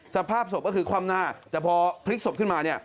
สภาพศพก็คือคว่ำหน้าแต่พอพลิกศพขึ้นมาเนี่ย